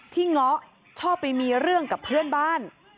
เงาะชอบไปมีเรื่องกับเพื่อนบ้าน